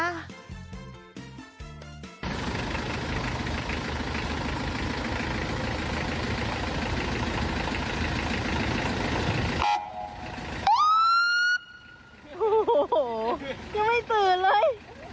โอ้โหยังไม่ตื่นเลย